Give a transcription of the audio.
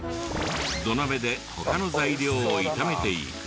土鍋で他の材料を炒めていく。